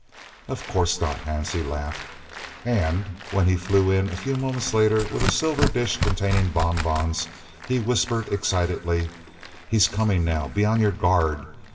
"Of course not," Hansie laughed, and when he flew in a few moments later, with a silver dish containing bon bons, he whispered excitedly: "He's coming now. Be on your guard!